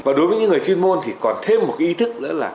và đối với những người chuyên môn thì còn thêm một cái ý thức nữa là